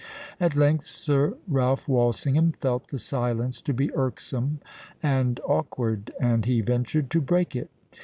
At length Sir Ralph Walsingham felt the silence to be irksome and awkward; and he ventured to break it.